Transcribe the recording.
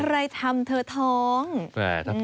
ใครทำเธอท้อง